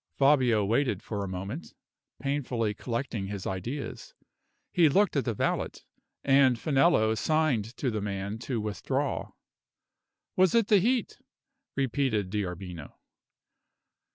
Fabio waited for a moment, painfully collecting his ideas. He looked at the valet, and Finello signed to the man to withdraw. "Was it the heat?" repeated D'Arbino.